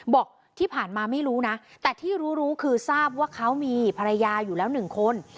บอกที่ผ่านมาไม่รู้นะแต่ที่รู้รู้คือทราบว่าเขามีภรรยาอยู่แล้วหนึ่งคน